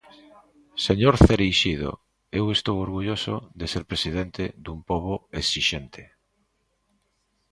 Señor Cereixido, eu estou orgulloso de ser presidente dun pobo exixente.